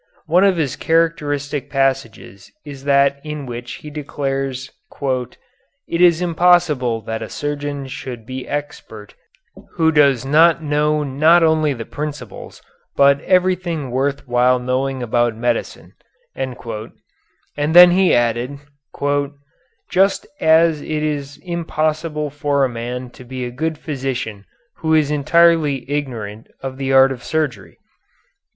One of his characteristic passages is that in which he declares "it is impossible that a surgeon should be expert who does not know not only the principles, but everything worth while knowing about medicine," and then he added, "just as it is impossible for a man to be a good physician who is entirely ignorant of the art of surgery."